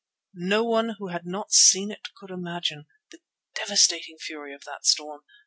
No one who had not seen it could imagine the devastating fury of that storm.